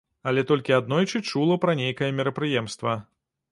Але толькі аднойчы чула пра нейкае мерапрыемства.